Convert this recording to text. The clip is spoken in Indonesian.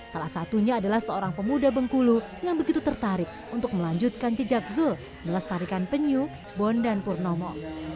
salah satunya adalah seorang pemuda bengkulu yang begitu tertarik untuk melanjutkan jejak zul melestarikan penyu bondan purnomo